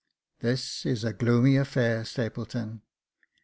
" This is a gloomy affair, Stapleton."